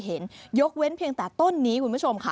เหมือนกับกล้วยแฟดอะค่ะ